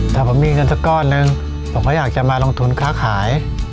ถ้าผมมีเงินสักก้อนหนึ่งผมก็อยากจะมาลงทุนค้าขาย